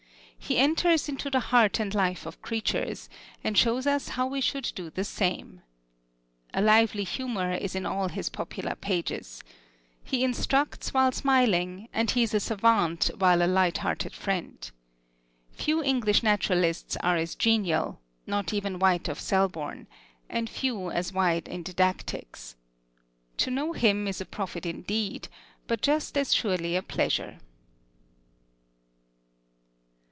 He enters into the heart and life of creatures, and shows us how we should do the same. A lively humor is in all his popular pages. He instructs while smiling; and he is a savant while a light hearted friend. Few English naturalists are as genial not even White of Selborne and few as wide in didactics. To know him is a profit indeed; but just as surely a pleasure.